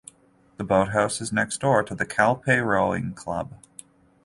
The boathouse is next door to the Calpe Rowing Club.